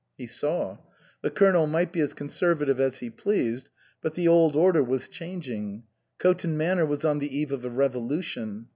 He saw. The Colonel might be as conserva tive as he pleased ; but the old order was chang ing ; Coton Manor was on the eve of a revolu tion.